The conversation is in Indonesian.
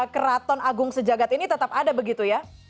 keraton agung sejagat ini tetap ada begitu ya